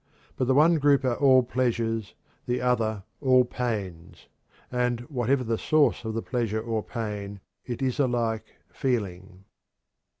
But the one group are all pleasures; the other all pains. And, whatever the source of the pleasure or pain, it is alike feeling."